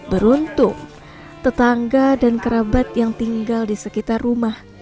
beruntung tetangga dan kerabat yang tinggal di sekitar rumah